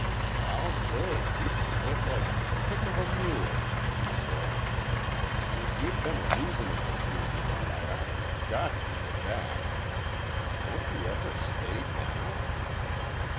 "I'll say you can hit like the kick of a mule," he said. "If you'd been a reasonable human, I ought to have got you, at that. Don't you ever stay down?"